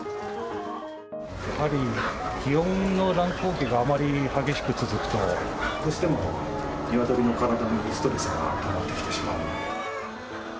やはり気温の乱高下があまりにも激しく続くと、どうしてもニワトリの体にストレスがたまってきてしまうので。